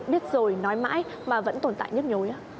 biết rồi nói mãi mà vẫn tồn tại nhất nhối